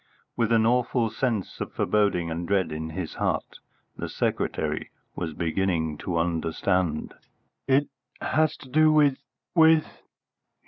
With an awful sense of foreboding and dread in his heart, the secretary was beginning to understand. "It has to do with with